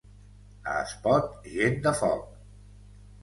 A Espot, gent de foc.